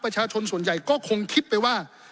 ประชาชนส่วนใหญ่ก็คงคิดไปว่า